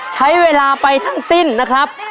ใช้เวลาไปทั้งสิ้นนะครับ